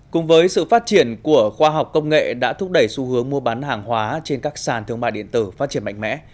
cùng với sự phát triển của khoa học công nghệ đã thúc đẩy xu hướng mua bán hàng hóa trên các sàn thương mại điện tử phát triển mạnh mẽ